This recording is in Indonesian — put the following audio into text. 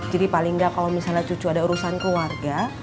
jadi paling enggak kalau misalnya cucu ada urusan keluarga